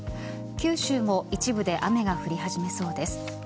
九州も一部で雨が降り始めそうです。